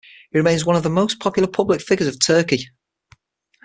He remains one of the most popular public figures of Turkey.